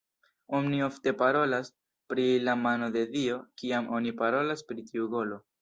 Oni ofte parolas pri "la mano de dio" kiam oni parolas pri tiu golo.